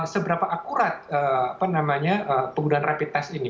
seberapa akurat apa namanya penggunaan rapid test ini